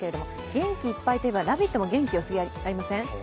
元気いっぱいといえば「ラヴィット！」も元気よすぎじゃありません？